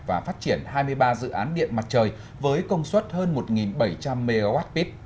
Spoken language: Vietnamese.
và phát triển hai mươi ba dự án điện mặt trời với công suất hơn một bảy trăm linh mwp